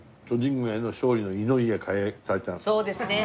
そうですね。